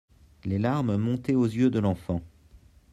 Les larmes montaient aux yeux de l'enfant.